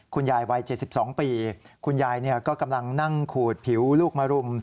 คุณยายวัย๗๒ปีคุณยายก็กำลังนั่งขูดผิวลูกมารุม